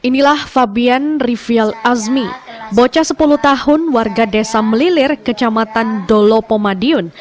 inilah fabian rivial azmi bocah sepuluh tahun warga desa melilir kecamatan dolopo madiun